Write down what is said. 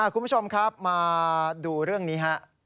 คุณผู้ชมครับมาดูเรื่องนี้ฮะ